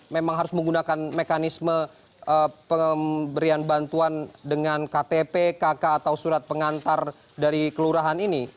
memang harus menggunakan mekanisme pemberian bantuan dengan ktp kk atau surat pengantar dari kelurahan ini